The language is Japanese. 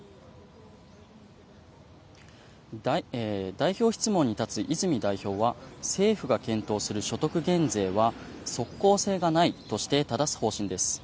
代表質問に立つ泉代表は政府が検討する所得減税は即効性がないとしてただす方針です。